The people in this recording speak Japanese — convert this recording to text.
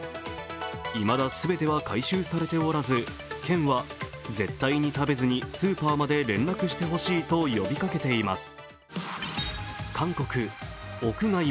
いまだ全ては回収されておらず県は絶対に食べずスーパーまで連絡してほしいと呼びかけています。